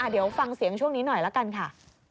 เดี๋ยวฟังเสียงช่วงนี้หน่อยละกันค่ะ